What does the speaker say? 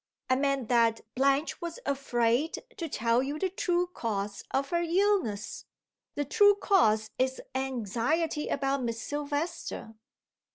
"I meant that Blanche was afraid to tell you the true cause of her illness. The true cause is anxiety about Miss Silvester."